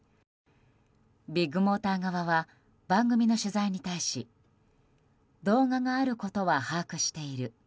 ビッグモーター側は番組の取材に対し動画があることは把握している。